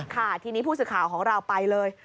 ค่ะทีนี้ผู้สื่อข่าวของเราไปเลย